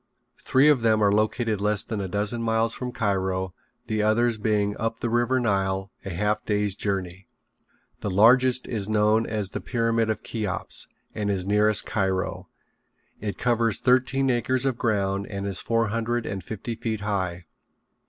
Three of them are located less than a dozen miles from Cairo, the others being up the river Nile a half day's journey. The largest is known as the Pyramid of Cheops and is nearest Cairo. It covers thirteen acres of ground and is four hundred and fifty feet high.